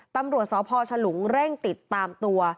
ตำรวจสพฉลุงเร่งติดตามตัว